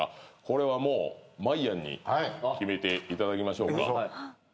これはもうまいやんに決めていただきましょうか。